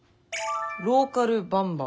「『ローカルバンバン！』